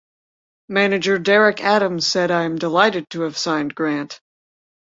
Manager Derek Adams said I am delighted to have signed Grant.